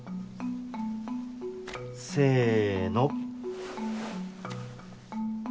せの。